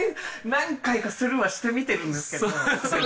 何回かスルーはしてみてるんですけどね。